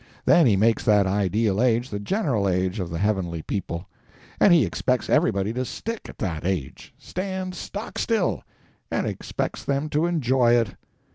Then he makes that ideal age the general age of the heavenly people. And he expects everybody to stick at that age—stand stock still—and expects them to enjoy it!